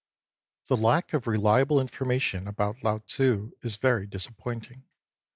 The lack of reliable information about Lao Tzfcf is very disappointing.